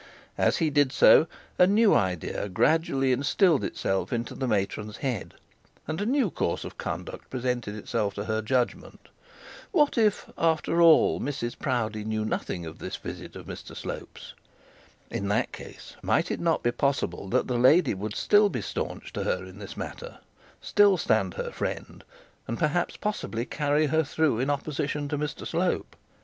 As he did so, a new idea gradually instilled itself into the matron's head, and a new course of action presented itself to her judgement. What if, after all, Mrs Proudie knew nothing of this visit of Mr Slope's? In that case, might it not be possible that that lady would still be staunch to her in this matter, still stand her friend, and, perhaps, possibly carry her through in opposition to Mr Slope?